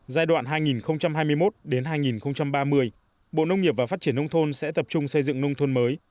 giai đoạn hai nghìn hai mươi một hai nghìn ba mươi bộ nông nghiệp và phát triển nông thôn sẽ tập trung xây dựng nông thôn mới